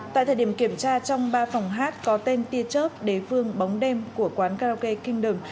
tại thời điểm kiểm tra trong ba phòng hát có tên tia chớp đế phương bóng đêm của quán karaoke kingdom